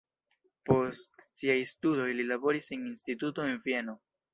Post siaj studoj li laboris en instituto en Vieno.